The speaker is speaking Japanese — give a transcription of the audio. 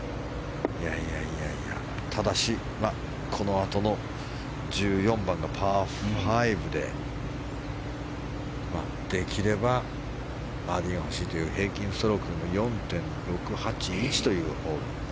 ただし、このあとの１４番のパー５でできればバーディーが欲しいという、平均ストロークも４．６８１というホール。